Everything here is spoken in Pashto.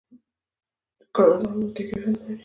د کاناډا الماس ډیر کیفیت لري.